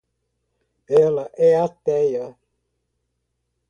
Ela é ateia